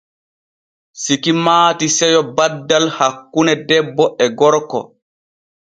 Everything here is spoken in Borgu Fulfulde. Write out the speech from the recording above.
Siki maati seyo baddal hakkune debbo e gorko.